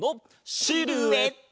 シルエット！